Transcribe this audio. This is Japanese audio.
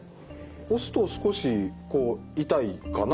押すと少しこう痛いかな。